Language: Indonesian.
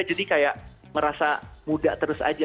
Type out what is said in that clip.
jadi kayak ngerasa mudah terus aja